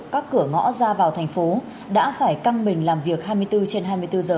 các cửa ngõ ra vào thành phố đã phải căng mình làm việc hai mươi bốn trên hai mươi bốn giờ